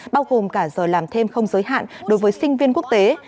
bao gồm cả giờ làm thêm không giới hạn đối với sinh viên quốc tế